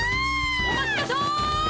お待ちなさい！